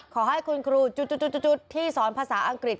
ขอให้คุณครูจุดที่สอนภาษาอังกฤษ